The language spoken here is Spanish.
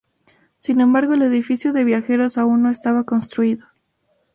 Sin embargo, el edificio de viajeros aún no estaba construido.